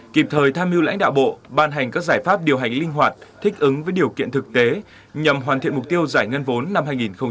kịp thời tham mưu lãnh đạo bộ ban hành các giải pháp điều hành linh hoạt thích ứng với điều kiện thực tế nhằm hoàn thiện mục tiêu giải ngân vốn năm hai nghìn hai mươi